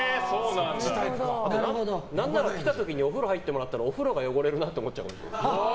何なら、来た時にお風呂入ってもらったらお風呂が汚れるなと思っちゃう。